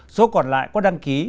số còn lại có đăng ký